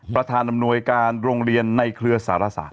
ประธานอำนวยการโรงเรียนในเครือสารศาสต